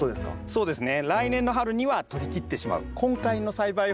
そうですね。